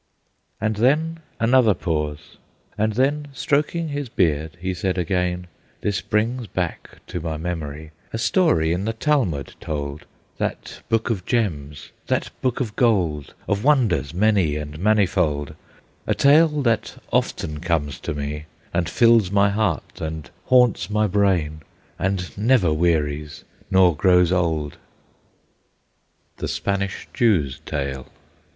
And then another pause; and then, Stroking his beard, he said again: "This brings back to my memory A story in the Talmud told, That book of gems, that book of gold, Of wonders many and manifold, A tale that often comes to me, And fills my heart, and haunts my brain, And never wearies nor grows old." THE SPANISH JEW'S TALE.